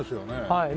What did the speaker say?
はい。